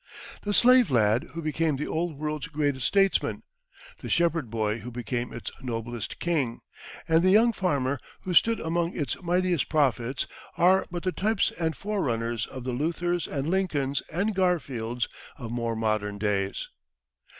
The slave lad who became the Old World's greatest statesman, the shepherd boy who became its noblest King, and the young farmer who stood among its mightiest prophets, are but the types and forerunners of the Luthers and Lincolns and Garfields of more modern days.